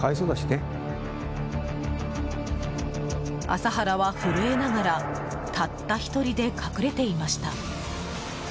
麻原は震えながらたった一人で隠れていました。